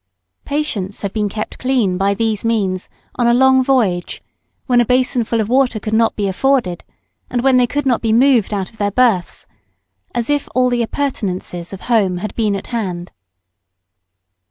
Patients have been kept as clean by these means on a long voyage, when a basin full of water could not be afforded, and when they could not be moved out of their berths, as if all the appurtenances of home had been at hand.